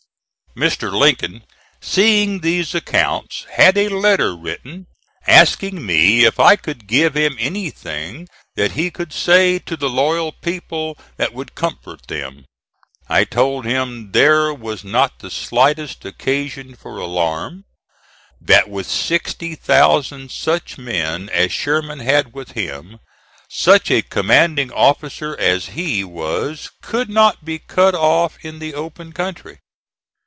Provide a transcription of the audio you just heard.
Mr. Lincoln seeing these accounts, had a letter written asking me if I could give him anything that he could say to the loyal people that would comfort them. I told him there was not the slightest occasion for alarm; that with 60,000 such men as Sherman had with him, such a commanding officer as he was could not be cut off in the open country.